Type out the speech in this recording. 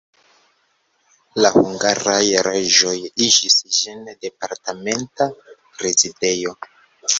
La hungaraj reĝoj igis ĝin departementa rezidejo.